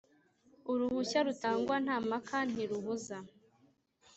Uruhushya rutangwa nta mpaka ntirubuza